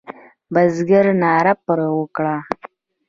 بزګر ناره پر وکړه.